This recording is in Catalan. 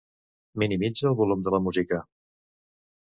Minimitza el volum de la música.